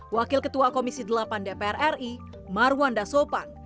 wakil ketua komisi delapan dpr ri marwan dasopan